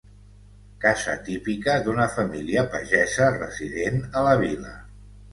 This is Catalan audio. Casa típica d'una família pagesa resident a la vila.